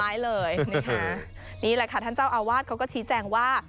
สไลด์เลยนี่ค่ะนี่แหละค่ะท่านเจ้าอาวาสเขาก็ชี้แจงว่า